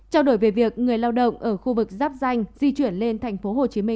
trao đổi về việc người lao động ở khu vực giáp danh di chuyển lên tp hcm